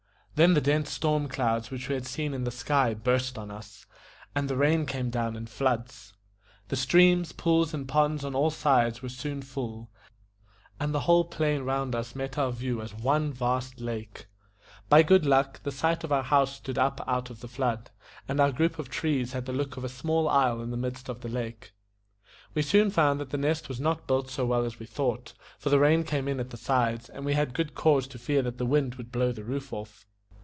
Then the dense storm clouds which we had seen in the sky burst on us, and the rain came down in floods. The streams, pools, and ponds on all sides were soon full, and the whole plain round us met our view as one vast lake. By good luck, the site of our house stood up out of the flood, and our group of trees had the look of a small isle in the midst of the lake. We soon found that The Nest was not built so well as we thought, for the rain came in at the sides, and we had good cause to fear that the wind would blow the roof off.